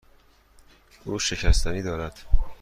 او شکستگی دارد.